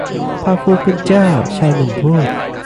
พระผู้เป็นเจ้า ชายหนุ่มพูด